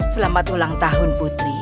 selamat ulang tahun putri